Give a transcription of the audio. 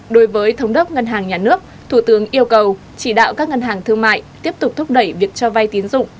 đối với thống đốc ngân hàng nhà nước thủ tướng yêu cầu chỉ đạo các ngân hàng thương mại tiếp tục thúc đẩy việc cho vay tín dụng